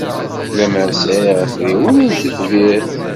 Lemmer sɛiɣ afriwen n tetbirt.